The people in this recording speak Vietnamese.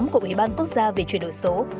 của ubnd về chuyển đổi số